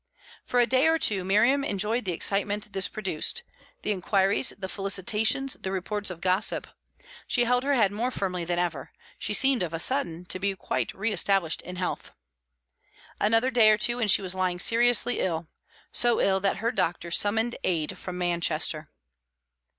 For a day or two Miriam enjoyed the excitement this produced the inquiries, the felicitations, the reports of gossip. She held her head more firmly than ever; she seemed of a sudden to be quite re established in health. Another day or two, and she was lying seriously ill so ill that her doctor summoned aid from Manchester.